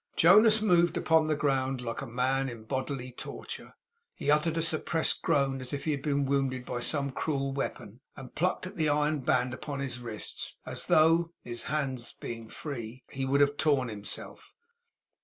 Jonas moved upon the ground like a man in bodily torture. He uttered a suppressed groan, as if he had been wounded by some cruel weapon; and plucked at the iron band upon his wrists, as though (his hands being free) he would have torn himself.